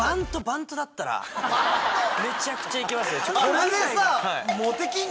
これでさ。